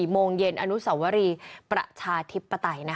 โมงเย็นอนุสวรีประชาธิปไตย